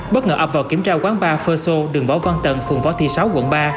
bất ngờ ập vào kiểm tra quán bar first show đường võ văn tận phường võ thị sáu quận ba